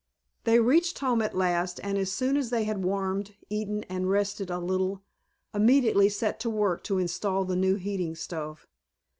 They reached home at last, and as soon as they had warmed, eaten, and rested a little immediately set to work to install the new heating stove.